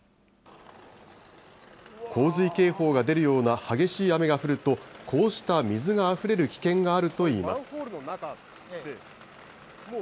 洪水警報が出るような激しい雨が降ると、こうした水があふれる危険があるといいます。